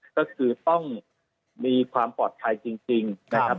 ก็คือต้องมีความปลอดภัยจริงนะครับ